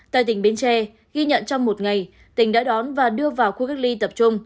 tại tỉnh bến tre ghi nhận trong một ngày tỉnh đã đón và đưa vào khu cách ly tập trung